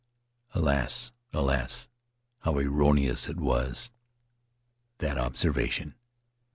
Alas ! Alas ! How erroneous it was! that observation.